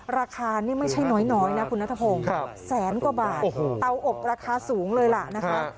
ราคานี่ไม่ใช่น้อยนะคุณนัทพงศ์แสนกว่าบาทเตาอบราคาสูงเลยล่ะนะคะ